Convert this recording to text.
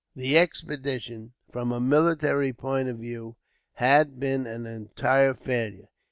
The expedition, from a military point of view, had been an entire failure.